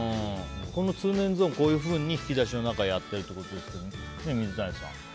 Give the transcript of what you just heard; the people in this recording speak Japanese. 通年ゾーン、こういうふうに引き出しの中をやってるってことですけど水谷さん。